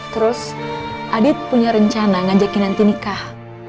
terus adit punya rencana ngajak kinanti nikah